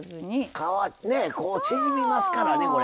皮ねえ縮みますからねこれ。